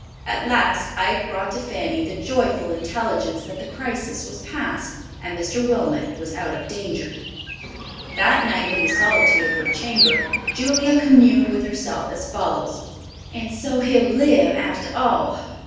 At last Ike brought to Fanny the joyful intelligence that the crisis was passed, and Mr. Wilmot was out of danger. That night, in the solitude of her chamber, Julia communed with herself as follows: "And so he'll live after all.